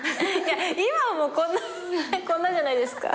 今はもうこんなじゃないですか。